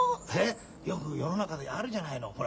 よく世の中であるじゃないの。